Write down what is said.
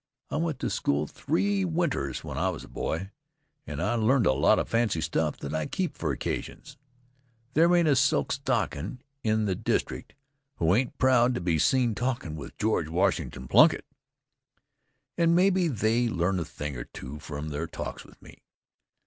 I went to school three winters when I was a boy, and I learned a lot of fancy stuff that I keep for occasions. There ain't a silk stockin' in the district who ain't proud to be seen talkin' with George Washington Plunkitt, and maybe they learn a thing or two from their talks with me.